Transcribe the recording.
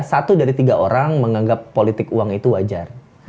satu dari tiga orang menganggap politik uang itu wajar